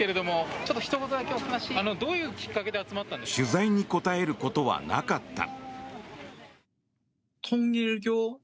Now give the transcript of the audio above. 取材に答えることはなかった。